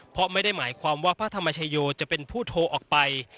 เพราะไม่ได้หมายความว่าพระธรรมชโยจะเป็นผู้โทรออกไป